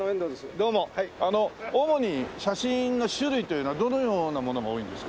どうもあの主に写真の種類というのはどのようなものが多いんですか？